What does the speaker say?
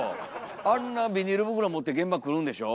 あんなビニール袋持って現場来るんでしょ？